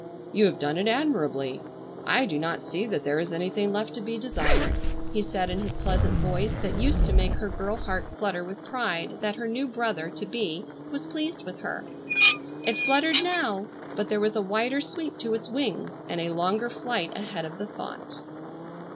"You have done it admirably. I do not see that there is anything left to be desired," he said in his pleasant voice that used to make her girl heart flutter with pride that her new brother to be was pleased with her. It fluttered now, but there was a wider sweep to its wings, and a longer flight ahead of the thought.